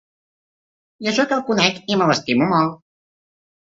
I això que el conec i me l’estimo molt.